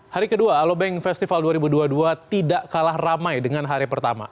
hari kedua alobank festival dua ribu dua puluh dua tidak kalah ramai dengan hari pertama